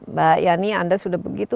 mbak yani anda sudah begitu